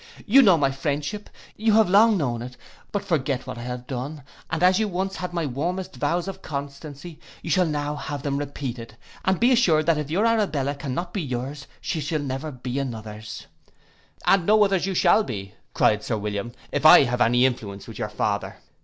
You know my friendship, you have long known it; but forget what I have done, and as you once had my warmest vows of constancy, you shall now have them repeated; and be assured that if your Arabella cannot be yours, she shall never be another's.'—'And no other's you shall be,' cried Sir William, 'if I have any influence with your father.